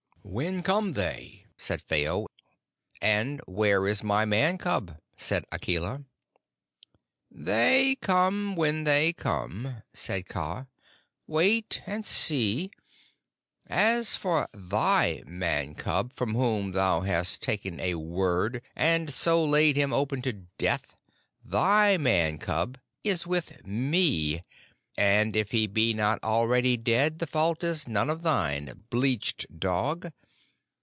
"When come they?" said Phao. "And where is my Man cub?" said Akela. "They come when they come," said Kaa. "Wait and see. As for thy Man cub, from whom thou hast taken a Word and so laid him open to Death, thy Man cub is with me, and if he be not already dead the fault is none of thine, bleached dog!